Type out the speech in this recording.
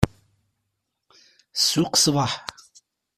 Ssuq, ṣṣbeḥ!